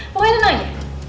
pokoknya tenang aja